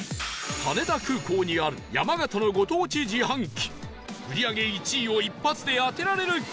羽田空港にある山形のご当地自販機売り上げ１位を一発で当てられるか？